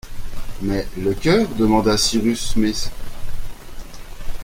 Mais le cœur ?… demanda Cyrus Smith.